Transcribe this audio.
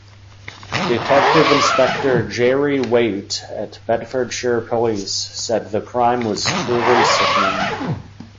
Detective Inspector Jerry Waite at Bedfordshire Police said the crime was "truly sickening".